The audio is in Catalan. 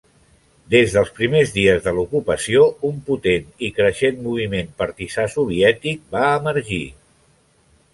Des dels primers dies de l'ocupació, un potent i creixent moviment partisà soviètic va emergir.